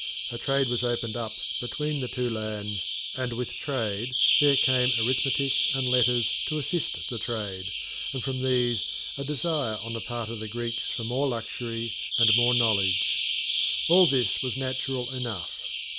A trade was opened up between the two lands, and with trade there came arithmetic and letters to assist the trade, and from these a desire on the part of the Greeks for more luxury and more knowledge. All this was natural enough.